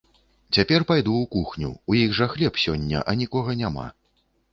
Цяпер пайду ў кухню, у іх жа хлеб сёння, а нікога няма.